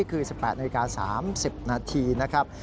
คือ๑๘๓๐นะครับ